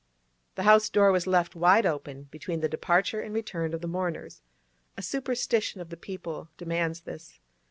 The house door was left wide open between the departure and return of the mourners; a superstition of the people demands this.